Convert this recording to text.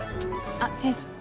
あっ先生。